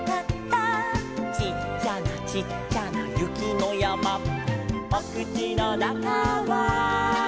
「ちっちゃなちっちゃなゆきのやま」「おくちのなかは」